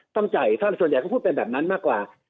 ต้องจ่ายถ้าส่วนใหญ่เขาพูดเป็นแบบนั้นมากกว่า